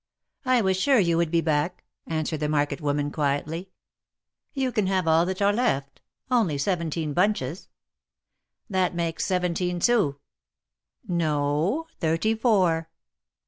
I was sure you would be back," answered the market woman, quietly. " You can have all that are left— only seventeen bunches." " That makes seventeen sous." No ; thirty four."